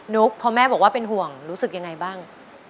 ุ๊กพอแม่บอกว่าเป็นห่วงรู้สึกยังไงบ้าง